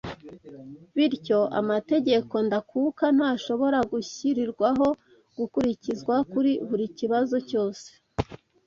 bityo amategeko ndakuka ntashobora gushyirirwaho gukurikizwa kuri buri kibazo cyose